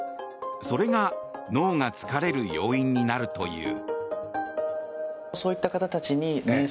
それが脳が疲れる要因になるという。